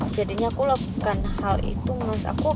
jadinya aku lakukan hal itu mas